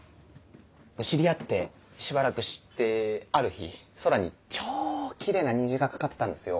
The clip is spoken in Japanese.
知り合ってしばらくしてある日空に超キレイな虹が架かってたんですよ。